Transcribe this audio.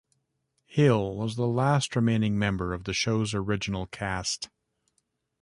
Hill was the last remaining member of the show's original cast.